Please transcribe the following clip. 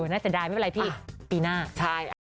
น่าจะได้ไม่เป็นไรพี่ปีหน้า